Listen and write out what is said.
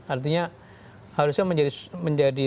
artinya harusnya menjadi